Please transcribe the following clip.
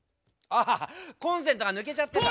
あコンセントが抜けちゃってた。